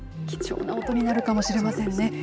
貴重な音になるかもしれませんね。